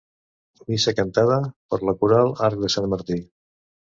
Missa cantada per la Coral Arc de Sant Martí.